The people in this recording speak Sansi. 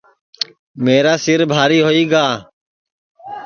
میرا سِر بھاری ہوئی گا